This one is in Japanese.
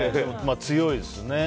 強いですね。